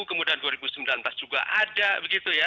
kemudian dua ribu sembilan belas juga ada begitu ya